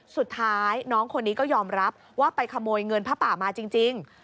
สุดท้ายน้องคนนี้ก็ยอมรับว่าไปขโมยเงินผ้าป่ามาจริง